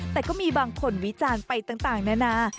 แต่ก็มีบางคนวิจารณ์ไปต่างนานา